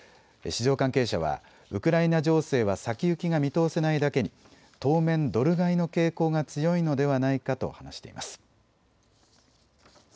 市場関係者はウクライナ情勢は先行きが見通せないだけに当面、ドル買いの傾向が強いのではないかと話しています。